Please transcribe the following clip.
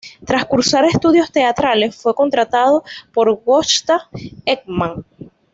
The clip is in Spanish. Tras cursar estudios teatrales, fue contratado por Gösta Ekman.